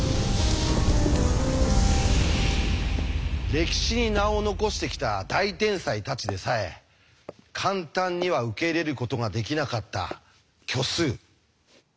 歴史に名を残してきた大天才たちでさえ簡単には受け入れることができなかった虚数。